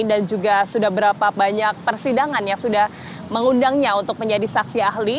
dan juga sudah berapa banyak persidangan yang sudah mengundangnya untuk menjadi saksi ahli